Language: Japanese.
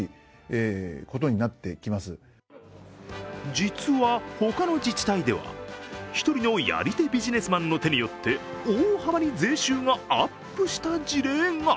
実は、他の自治体では１人のやり手ビジネスマンの手によって大幅に税収がアップした事例が。